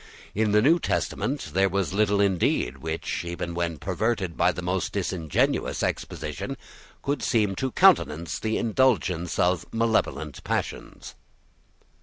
In the New Testament there was little indeed which, even when perverted by the most disingenuous exposition, could seem to countenance the indulgence of malevolent passions.